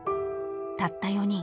［たった４人。